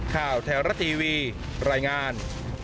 ข่าวแท้รัฐทีวีรายงาน